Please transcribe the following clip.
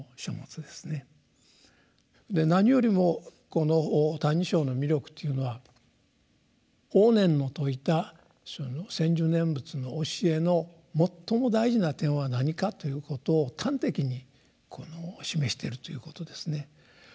何よりもこの「歎異抄」の魅力というのは法然の説いたその「専修念仏」の教えの最も大事な点は何かということを端的に示しているということですね。